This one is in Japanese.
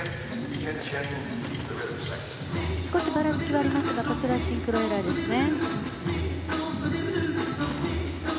少しばらつきはありましたがこちらはシンクロエラーですね。